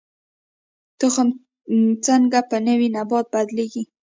تخم څنګه په نوي نبات بدلیږي؟